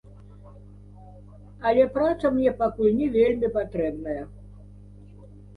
Але праца мне пакуль не вельмі патрэбная.